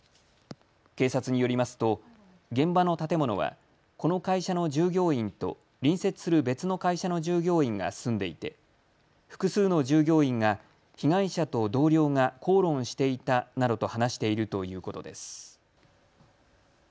警察によりますと現場の建物はこの会社の従業員と隣接する別の会社の従業員が住んでいて複数の従業員が被害者と同僚が口論していたなどと話しているということです。